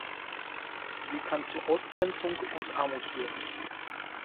Sie kann zu Ausgrenzung und Armut führen.